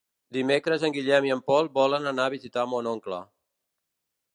Dimecres en Guillem i en Pol volen anar a visitar mon oncle.